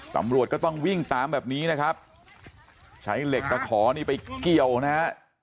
ตำรวจก็ต้องวิ่งตามแบบนี้นะครับใช้เหล็กตะขอนี่ไปเกี่ยวนะฮะ